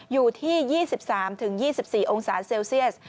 อยู่ที่๒๓๒๔องศาเซลเซียส